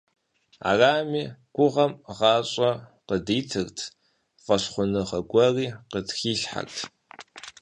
Арами, гугъэм гъащӀэ къыдитырт, фӀэщхъуныгъэ гуэри къытхилъхьэрт.